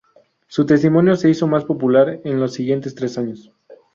Su testimonio se hizo más popular en los siguientes tres años.